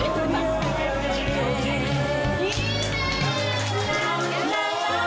いいね！